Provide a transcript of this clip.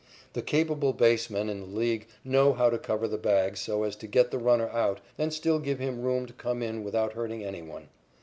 The capable basemen in the League know how to cover the bag so as to get the runner out and still give him room to come in without hurting any one.